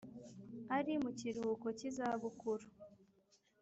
ari mu kiruhuko kizabukuru